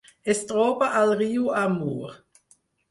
Es troba al riu Amur.